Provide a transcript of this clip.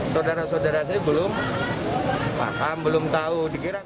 saudara saudara saya belum paham belum tahu